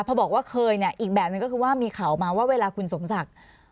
พอบอกว่าเคยอีกแบบหนึ่งมีข่าวมาว่าเวลาคุณสมศักดิ์